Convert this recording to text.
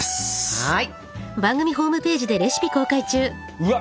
はい！